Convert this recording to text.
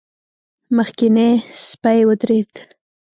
مخکينی سپی ودرېد.